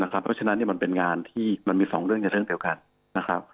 เพราะฉะนั้นนี่มันเป็นงานที่มันมี๒เรื่องเฉพาะเกี่ยวกัน